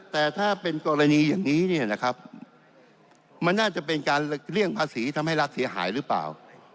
แต่ถ้าเป็นกรณีอย่างนี้เนี่ยนะครับมันน่าจะเป็นการเลี่ยงภาษีทำให้รัฐเสียหายหรือเปล่า